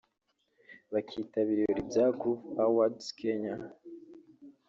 bakitabira ibirori bya Groove Awards Kenya